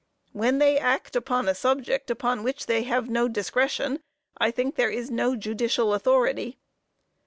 When they act upon a subject upon which they have no discretion, I think there is no judicial authority.